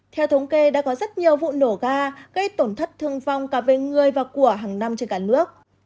theo thống kê đã có rất nhiều vụ nổ ga gây tổn thất thương vong cả về người và của hàng năm trên cả nước